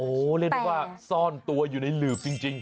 โอ้เล่นว่าซ่อนตัวอยู่ในหลืบจริง